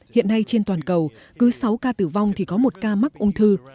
hiện nay trên toàn cầu cứ sáu ca tử vong thì có một ca mắc ung thư